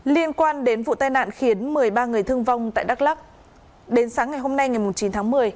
liên quan đến vụ tai nạn khiến một mươi ba người thương vong tại đắk lắc đến sáng ngày hôm nay ngày chín tháng một mươi